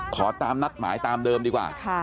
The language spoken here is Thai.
ขอตามนัดหมายตามเดิมดีกว่า